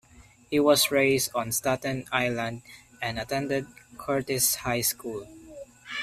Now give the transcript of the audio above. He was raised on Staten Island and attended Curtis High School.